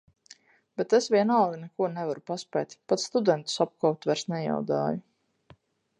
Bet es vienalga neko nevaru paspēt, pat studentus apkopt vairs nejaudāju.